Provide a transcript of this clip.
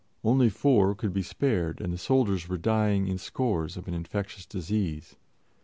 Only four could be spared, and the soldiers were dying in scores of an infectious disease.